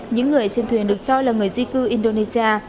những người trên thuyền được cho là người di cư indonesia